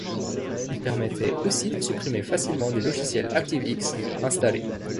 Il permettait aussi de supprimer facilement des logiciels ActiveX installés.